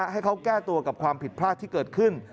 ให้เขาแก้ตัวกับความผิดพลาดที่เกิดขึ้น